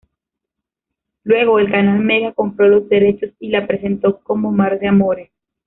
Luego, el Canal Mega, compró los Derechos y la presentó como "Mar de Amores"